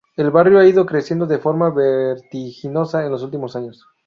El barrio ha ido creciendo de forma vertiginosa en los últimos años.